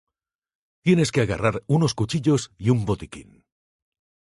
Tienes que agarrar unos cuchillos y un botiquín.